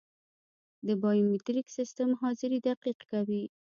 د بایومتریک سیستم حاضري دقیق کوي